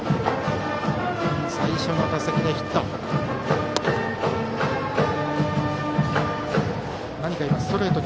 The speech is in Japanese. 最初の打席でヒット。